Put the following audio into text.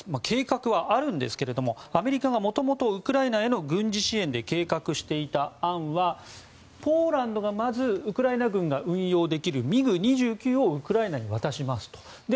計画はあるんですけどアメリカが、もともとウクライナへの軍事支援で計画していた案はポーランドが、まずウクライナ軍が運用できるＭｉＧ２９をウクライナに渡しますと。